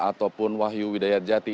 ataupun wahyu widayat jati